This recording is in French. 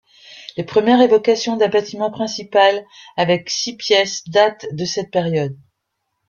Les premières évocation d'un bâtiment principal avec six pièces datent de cette période.